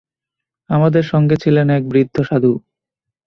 আমাদের সঙ্গে ছিলেন এক বৃদ্ধ সাধু।